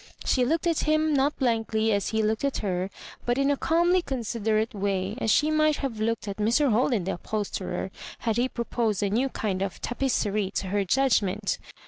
She looked at him, not blankly, aa he looked at her, but in a calmly considerate way, as she might have looked at Mr. Holden the up holsterer, had he proposed a new kind of iapia terie to her judgment.